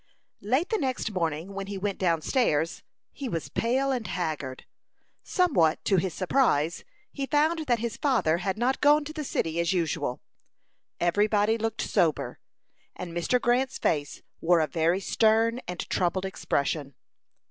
Late the next morning, when he went down stairs, he was pale and haggard. Somewhat to his surprise, he found that his father had not gone to the city as usual. Every body looked sober, and Mr. Grant's face wore a very stern and troubled expression.